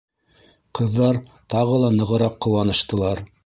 Ҡыҙҙар тағы ла нығыраҡ ҡыуаныштылар.